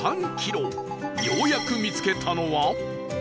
ようやく見つけたのは